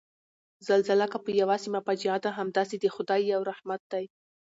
زلزله که په یوه سیمه فاجعه ده، همداسې د خدای یو رحمت دی